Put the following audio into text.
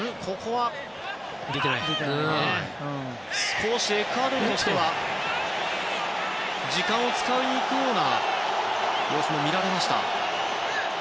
少しエクアドルとしては時間を使いにいくような様子も見られました。